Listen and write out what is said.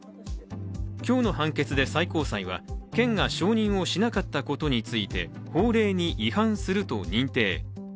今日の判決で最高裁は県が承認をしなかったことについて法令に違反すると認定。